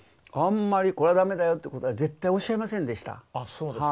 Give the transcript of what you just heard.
あんまり「これはダメだよ」ってことは絶対おっしゃいませんでした。